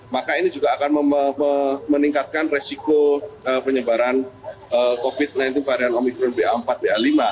maka ini juga akan meningkatkan resiko penyebaran covid sembilan belas varian omikron ba empat ba lima